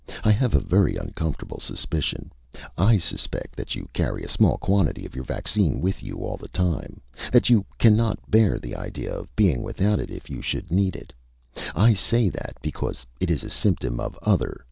I have a very uncomfortable suspicion. I suspect that you carry a small quantity of your vaccine with you all the time. That you cannot bear the idea of being without it if you should need it. I say that because it is a symptom of other ...